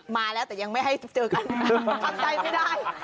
มาแล้วแต่ยังไม่ให้เจอกันทำใจไม่ได้